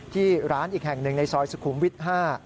ที่ร้านอีกแห่งหนึ่งในซอยสุขุมวิทย์๕